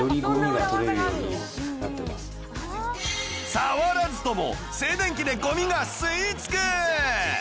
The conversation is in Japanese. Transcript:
触らずとも静電気でゴミが吸い付く！